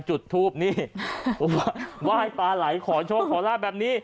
จุดทูปนี่ไหว้ปลาไหลขอโชคขอลาบแบบนี้